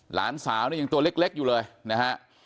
หลานสาวนี่ยังตัวเล็กอยู่เลยนะฮะ